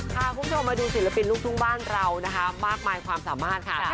พาคุณผู้ชมมาดูศิลปินลูกทุ่งบ้านเรานะคะมากมายความสามารถค่ะ